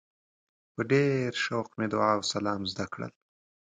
په ډېر شوق مې دعا او سلام زده کړل.